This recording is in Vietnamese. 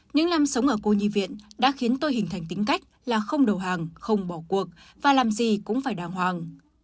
những năm sống ở cô nhi viện đã khiến tôi hình thành tính cách là không đầu hàng không bỏ cuộc và làm gì cũng phải đàng hoàng